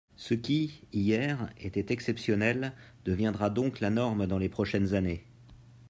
Ce qui, hier, était exceptionnel deviendra donc la norme dans les prochaines années.